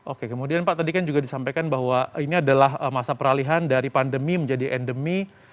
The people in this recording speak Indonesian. oke kemudian pak tadi kan juga disampaikan bahwa ini adalah masa peralihan dari pandemi menjadi endemi